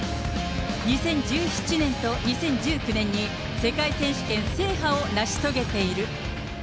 ２０１７年と２０１９年に、世界選手権制覇を成し遂げている。